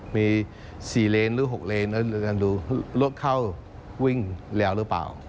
มี๔เลนหรือ๖เลนแล้วกันดูรถเข้าวิ่งเร็วหรือเปล่า